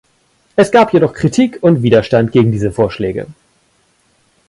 Es gab jedoch Kritik und Widerstand gegen diese Vorschläge.